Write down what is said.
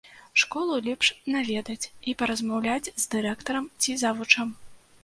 Школу лепш наведаць і паразмаўляць з дырэктарам ці завучам.